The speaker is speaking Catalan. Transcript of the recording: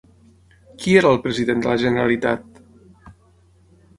Qui era el president de la Generalitat?